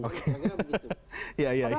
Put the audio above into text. saya kira begitu